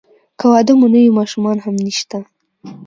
که واده مو نه وي ماشومان هم نشته.